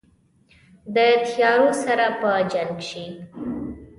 د تیارو سره په جنګ شي